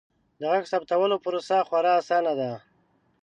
د غږ ثبتولو پروسه خورا اسانه ده.